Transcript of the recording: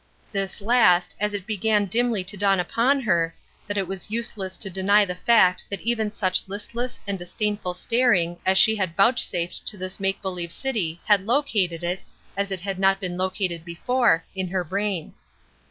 This last, as it began dimly to dawn upon her, that it was useless to deny the fact that even such listless and disdainful staring as she had vouchsafed to this make believe city had located it, as it had not been located before, in her brain.